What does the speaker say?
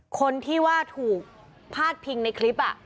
คนที่ว่าถูกพาดพิงในคลิป